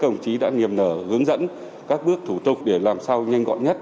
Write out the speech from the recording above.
nghiêm nở hướng dẫn các bước thủ tục để làm sao nhanh gọn nhất